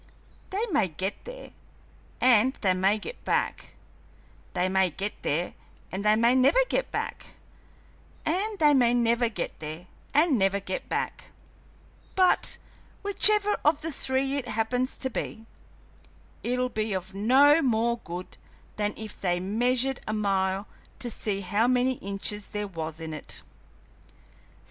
They may get there, and they may get back; they may get there, and they may never get back; and they may never get there, and never get back; but whichever of the three it happens to be, it'll be of no more good than if they measured a mile to see how many inches there was in it."